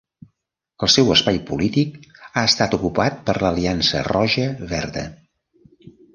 El seu espai polític ha estat ocupat per l'Aliança Roja-Verda.